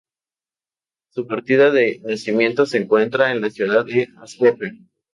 Su partida de nacimiento se encuentra en la ciudad de Ascope.